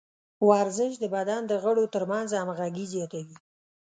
ورزش د بدن د غړو ترمنځ همغږي زیاتوي.